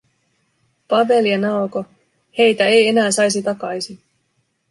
Pavel ja Naoko… Heitä ei enää saisi takaisin.